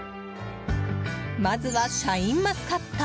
まずはシャインマスカット。